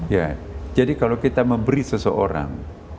ya jadi kalau kita memberi seseorang